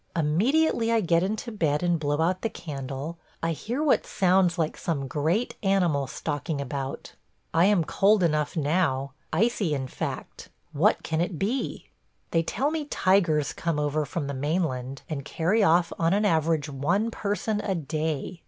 Immediately I get into bed and blow out the candle, I hear what sounds like some great animal stalking about. I am cold enough now – icy, in fact. ... What can it be? ... They tell me tigers come over from the mainland and carry off on an average one person a day.